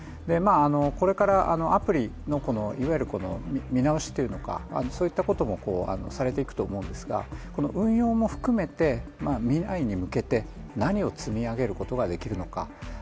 これからアプリの見直しといったこともされていくと思うんですが、この運用も含めて未来に向けて何を積み上げることができるのか。